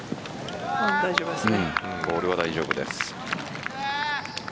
ボールは大丈夫です。